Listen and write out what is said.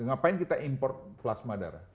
ngapain kita import plasma darah